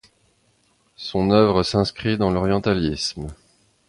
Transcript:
Son œuvre s'inscrit dans l'orientalisme.